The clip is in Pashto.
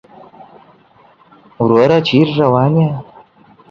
وروره چېرته روان يې؟